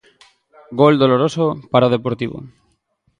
Gol doloroso para o Deportivo.